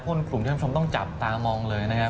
ห้นกลุ่มท่านชมต้องจับตามองเลยนะครับ